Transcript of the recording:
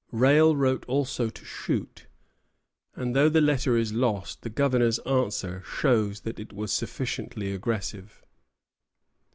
Rale wrote also to Shute; and though the letter is lost, the governor's answer shows that it was sufficiently aggressive.